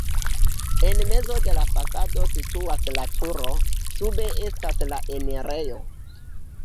En mezo de la fasado situas la turo, sube estas la enirejo.